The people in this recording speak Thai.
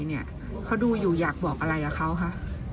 เขาดูอยู่อยากบอกอะไรกับเขาคะ